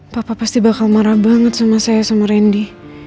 papa pasti bakal marah banget sama saya sama randy